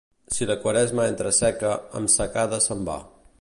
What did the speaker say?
Si la Quaresma entra seca, amb secada se'n va.